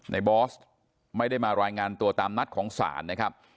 บอสไม่ได้มารายงานตัวตามนัดของศาลนะครับ